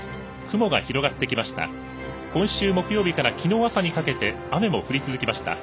雲が広がってきました。